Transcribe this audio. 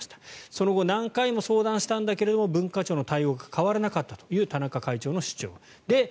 その後、何回も相談したんだけれども文化庁の対応が変わらなかったという田中会長の主張。